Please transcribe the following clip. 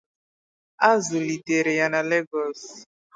A zụlitere ya na Lagos.